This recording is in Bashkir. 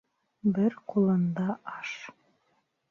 Бер ҡулында аш